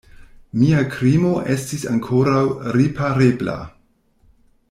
Mia krimo estis ankoraŭ riparebla.